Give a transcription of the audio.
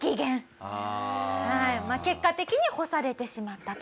結果的に干されてしまったと。